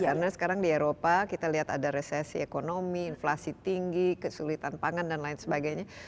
karena sekarang di eropa kita lihat ada resesi ekonomi inflasi tinggi kesulitan pangan dan lain sebagainya